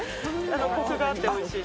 コクがあっておいしい。